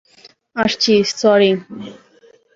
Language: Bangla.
আসছি, স্যরি।